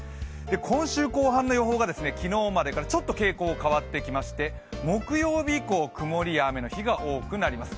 今週後半の予報が昨日までからちょっと傾向変わってきまして木曜日以降、曇りや雨の日が多くなります。